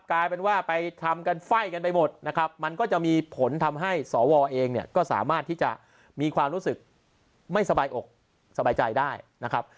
กลายเป็นว่าไปทำกันไฟ่กันไปหมดนะครับมันก็จะมีผลทำให้สวเองเนี่ยก็สามารถที่จะมีความรู้สึกไม่สบายอกสบายใจได้นะครับ